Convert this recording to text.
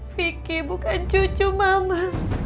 vicky bukan cucu mama